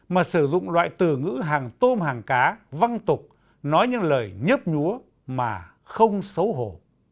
mà sử dụng loại từ ngữ hàng tôm hàng cá văng tục nói những lời nhấp nhúa mà không xấu hổ